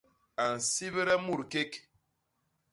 A nsibde mut kék.